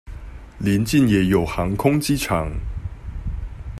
鄰近也有航空機場